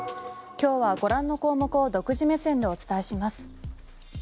今日はご覧の項目を独自目線でお伝えします。